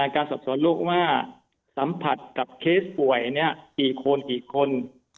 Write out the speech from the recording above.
การสอบสวนลูกว่าสัมผัสกับเคสป่วยกี่คนกี่คน